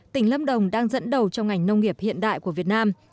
tỉnh lâm đồng đang dẫn đầu trong ngành nông nghiệp hiện đại của việt nam